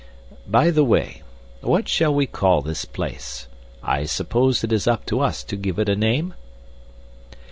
By the way, what shall we call this place? I suppose it is up to us to give it a name?"